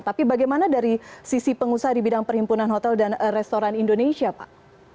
tapi bagaimana dari sisi pengusaha di bidang perhimpunan hotel dan restoran indonesia pak